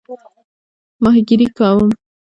ماهیګیري کوم؟